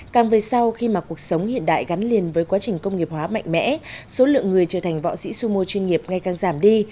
càng về sau khi mà cuộc sống hiện đại gắn liền với quá trình công nghiệp hóa mạnh mẽ số lượng người trở thành võ sĩ sumo chuyên nghiệp ngay càng giảm đi